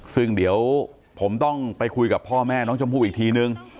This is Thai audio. ซึ่งเดี๋ยวผมต้องไปคุยกับพ่อแม่น้องชมพู่อีกทีนึง